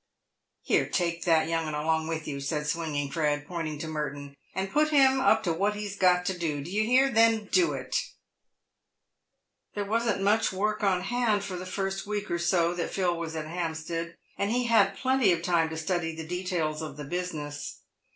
" Here, take that young 'un along with you," said Swinging Fred, pointing to Merton, " and put him up to what he's got to do. Do you hear ?— then do it." Theie wasn't much work on hand for the first week or so that Phil was at Hampstead, and he had plenty of time to study the details of the business.